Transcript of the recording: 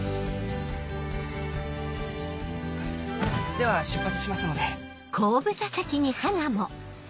では出発しますので。